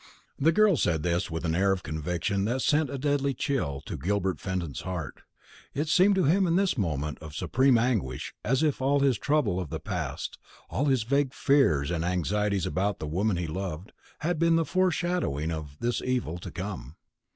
The girl said this with an air of conviction that sent a deadly chill to Gilbert Fenton's heart. It seemed to him in this moment of supreme anguish as if all his trouble of the past, all his vague fears and anxieties about the woman he loved, had been the foreshadowing of this evil to come.